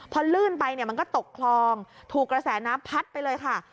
พอลื่นไปเนี่ยมันก็ตกคลองถูกกระแสน้ำพัดไปเลยค่ะ